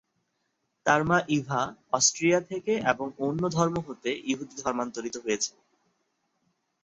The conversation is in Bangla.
তার মা ইভা অস্ট্রিয়া থেকে এবং অন্য ধর্ম হতে ইহুদি ধর্মান্তরিত হয়েছেন।